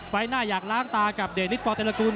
ไฟต์หน้าอยากล้างตากับเดนิทบอร์เตรลากูล